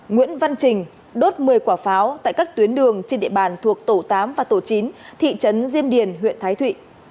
nguyễn văn trình đốt một mươi quả pháo tại các tuyến đường trên địa bàn thuộc tổ tám và tổ chín thị trấn diêm điền huyện thái thụy